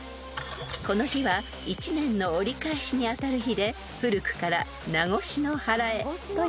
［この日は１年の折り返しに当たる日で古くから夏越の祓と呼ばれています］